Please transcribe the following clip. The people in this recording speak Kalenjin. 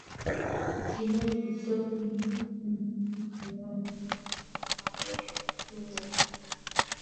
Kinai Kiptoo kole komache koyay kunotok Mary